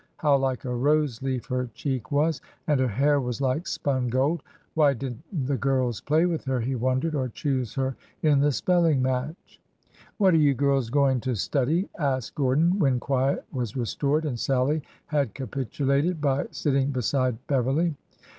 How like a rose leaf her cheek was I And her hair was like spun gold ! Why did n't the girls play with her, he wondered, or choose her in the spelling match. What are you girls going to study ?" asked Gordon when quiet was restored and Sallie had capitulated by sitting beside Beverly.